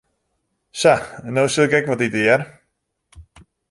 Sa, en no sil ik ek wat ite, hear.